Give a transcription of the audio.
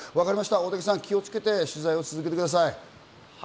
大竹さん、気をつけて取材を続けてください。